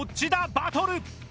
バトル。